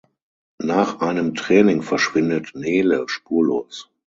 Nach einem Training verschwindet Nele spurlos.